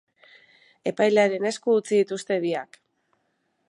Epailearen esku utzi dituzte biak.